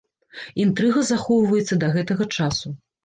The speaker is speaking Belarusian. Інтрыга захоўваецца да гэтага часу.